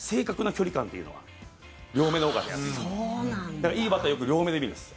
だから、いいバッターはよく両目で見るんです。